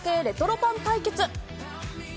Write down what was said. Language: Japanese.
レトロパン対決。